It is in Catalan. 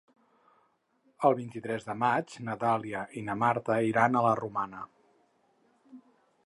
El vint-i-tres de maig na Dàlia i na Marta iran a la Romana.